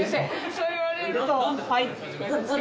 そう言われるとはい。